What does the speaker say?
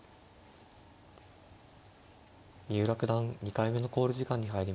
三浦九段２回目の考慮時間に入りました。